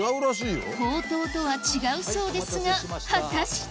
ほうとうとは違うそうですが果たして？